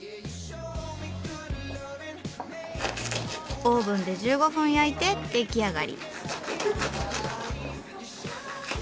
オーブンで１５分焼いて出来上がり。